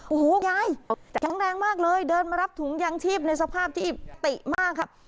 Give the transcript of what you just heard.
โอ้โหยายแข็งแรงมากเลยเดินมารับถุงยางชีพในสภาพที่ติมากครับ